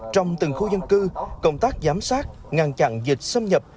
trong từng khu dân cư công tác giám sát ngăn chặn dịch xâm nhập